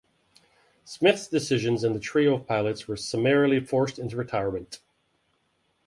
Smith's decisions and the trio of pilots were summarily forced into retirement.